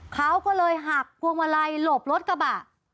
เขาก็เลยหักพวงมาลัยหลบรถกระบะ